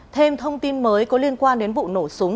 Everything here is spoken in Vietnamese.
thêm thông tin mới có liên quan đến vụ nổ súng